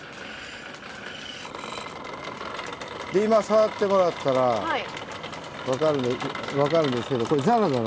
今触ってもらったら分かるんですけどこれザラザラしてるでしょう。